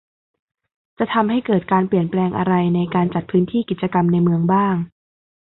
จะทำให้เกิดการเปลี่ยนแปลงอะไรในการจัดพื้นที่กิจกรรมในเมืองบ้าง